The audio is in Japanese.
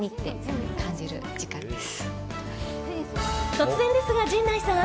突然ですが、陣内さん